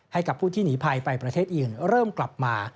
ให้กับผู้ที่หนีภัยไปประเทศอื่นเริ่มกลับมา